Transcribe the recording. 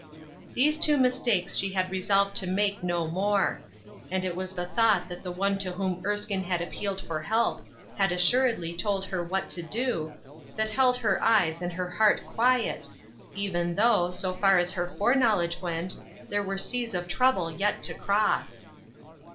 These two mistakes she had resolved to make no more. And it was the thought that the One to whom Erskine had appealed for help had assur edly told her what to do, that held her eyes and her heart quiet, even though, so far as her fore knowledge went, there were seas of trouble yet to cross.